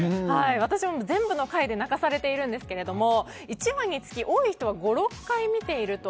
私も全部の回で泣かされているんですが１話につき多い人は５６回見ていると。